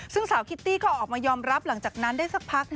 ซึ่งสาวคิตตี้ก็ออกมายอมรับหลังจากนั้นได้สักพัก